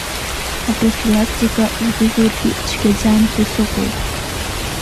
Апрофилактика узызургьы цәгьаӡам ҳәа сыҟоуп…